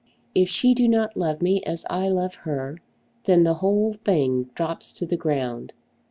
If she do not love me as I love her, then the whole thing drops to the ground.